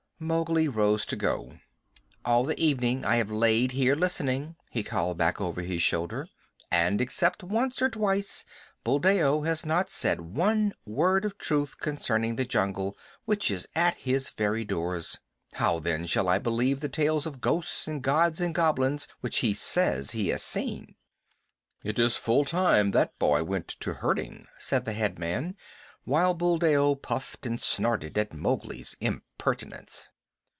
Mowgli rose to go. "All the evening I have lain here listening," he called back over his shoulder, "and, except once or twice, Buldeo has not said one word of truth concerning the jungle, which is at his very doors. How, then, shall I believe the tales of ghosts and gods and goblins which he says he has seen?" "It is full time that boy went to herding," said the head man, while Buldeo puffed and snorted at Mowgli's impertinence.